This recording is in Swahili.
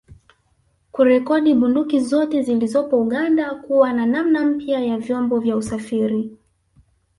Kurekodi bunduki zote zilizopo Uganda kuwa na namna mpya ya vyombo vya usafiri